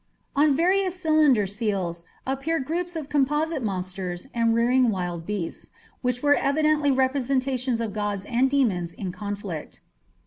On various cylinder seals appear groups of composite monsters and rearing wild beasts, which were evidently representations of gods and demons in conflict.